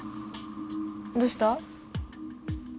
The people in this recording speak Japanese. どうした？